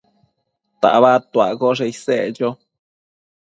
tabadtuaccoshe isec cho